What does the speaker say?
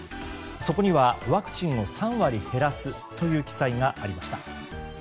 そこにはワクチンを３割減らすという記載がありました。